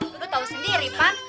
lo tuh tau sendiri pan